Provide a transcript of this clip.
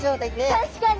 確かに。